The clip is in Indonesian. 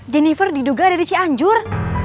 jennifer diduga dari ci anjur